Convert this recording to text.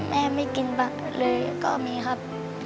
แม่ไม่กินเลยก็มีครับ